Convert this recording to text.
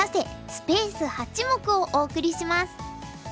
スペース８目」をお送りします。